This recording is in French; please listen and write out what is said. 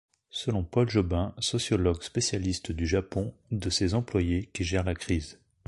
Selon Paul Jobin, sociologue spécialiste du Japon, de ces employés qui gèrent la crise.